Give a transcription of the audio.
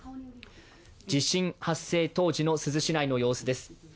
地震発生当時の珠洲市内の様子です。